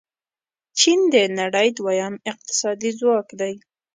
چین د نړۍ دویم اقتصادي ځواک دی.